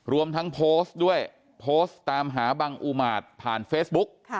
รวมทั้งโพสต์ด้วยโพสต์ตามหาบังอุมาตผ่านเฟซบุ๊ก